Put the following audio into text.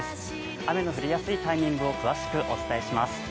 雨の降りやすいタイミングを詳しくお伝えします。